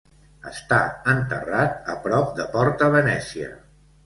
Està enterrat a prop de Porta Venezia.